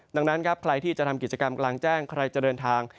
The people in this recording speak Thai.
ดังนั้นครับใครที่จะทำกิจกรรมกลางแจ้งใครจะเดินทาง